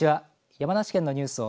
山梨県のニュースを